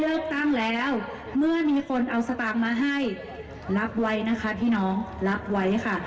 เอาลุงกลับไปเลี้ยงหลาน